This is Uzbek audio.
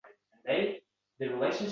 O‘g‘li dars qiladigan xonani ko‘rsatdi.